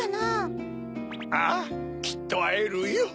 ああきっとあえるよ。